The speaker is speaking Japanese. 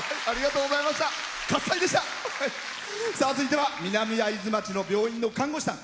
続いては南会津町の病院の看護師さん。